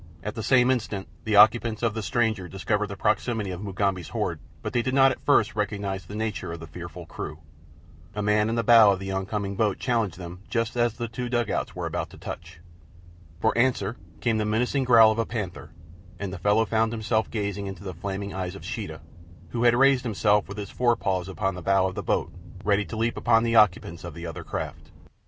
At the same instant the occupants of the stranger discovered the proximity of Mugambi's horde, but they did not at first recognize the nature of the fearful crew. A man in the bow of the oncoming boat challenged them just as the two dugouts were about to touch. For answer came the menacing growl of a panther, and the fellow found himself gazing into the flaming eyes of Sheeta, who had raised himself with his forepaws upon the bow of the boat, ready to leap in upon the occupants of the other craft.